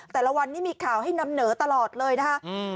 แต่ละวันนี้มีข่าวให้นำเหนอตลอดเลยนะคะ